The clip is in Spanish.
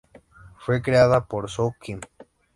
Fue creada por Soo Kim.